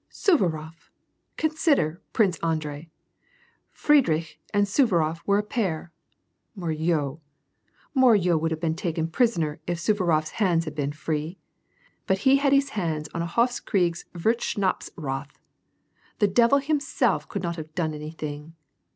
" Suvarof !— Consider, Prince Andrei ! Friedrich and Suvarof were a pair ;— Moreau ! Moreau would have been taken prisoner if Suvarofs hands had been free ; but he had on his hands a Hofskriegswurstschnapsrath,* The devil himself could not have done anything.